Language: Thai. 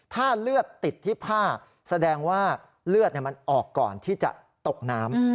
ถ้าเลือดติดที่ผ้าแสดงว่าเลือดมันออกก่อนที่จะตกน้ำ